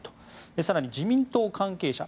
更に自民党関係者